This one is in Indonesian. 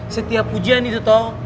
setiap pujian itu toh